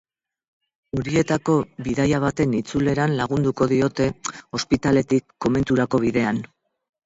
Horietako bidaia baten itzuleran lagunduko diote, ospitaletik komenturako bidean.